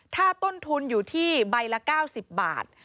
ถ้าต้นทุนอยู่ที่ใบละ๙๐บาท